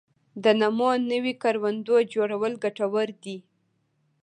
د نمونوي کروندو جوړول ګټور دي